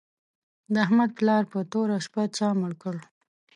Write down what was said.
د احمد پلار په توره شپه چا مړ کړ